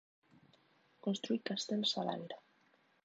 Construir castells a l'aire.